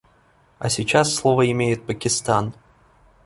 А сейчас слово имеет Пакистан.